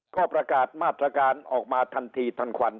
ก็ประกาศมาตรการออกมาทันทีทันควัน